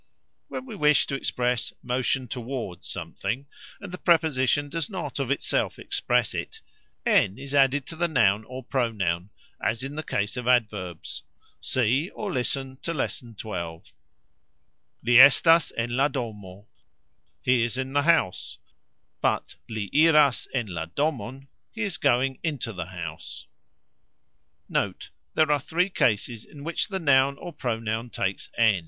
When we wish to express "motion towards" something, and the preposition does not of itself express it, "n" is added to the noun or pronoun, as in the case of adverbs (see Lesson 12), "Li estas en la domo", He is in the house; but, "Li iras en la domon", He is going into the house. NOTE. There are three cases in which the noun or pronoun takes "n".